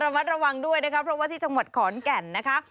มัดระวังด้วยนะคะเพราะว่าที่จังหวัดขอนแก่นนะคะ